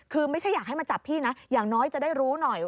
คือไม่ใช่อยากให้มาจับพี่นะอย่างน้อยจะได้รู้หน่อย